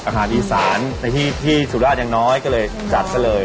อาหารอีสานในที่สุราชยังน้อยก็เลยจัดซะเลย